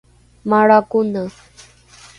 malra kone